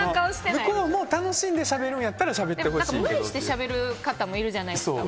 向こうも楽しんでしゃべるんやったら無理してしゃべる方もいるじゃないですか。